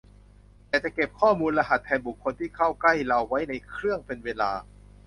แต่จะเก็บข้อมูลรหัสแทนบุคคลที่เข้าใกล้เราไว้ในเครื่องเป็นเวลา